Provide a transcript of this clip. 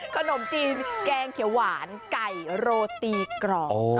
ขนมจีนแกงเขียวหวานไก่โรตีกรอบ